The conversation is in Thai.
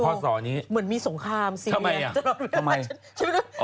ก็ไงก่อนฉันดูเหมือนมีสงครามสิริยะ